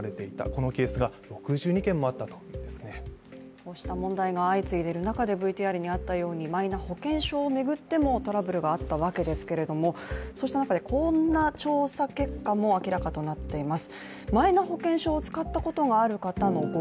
こうした問題が相次いでいる中でＶＴＲにあったように、マイナ保険証を巡ってもトラブルがあったわけですけれどもそうした中でこんな調査結果も明らかとなっています。